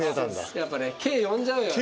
やっぱね「ｋ」読んじゃうよね。